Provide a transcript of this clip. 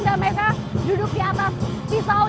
dan mereka duduk di atas pisau